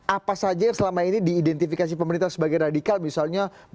apa saja yang selama ini diidentifikasi pemerintah sebagai radikal misalnya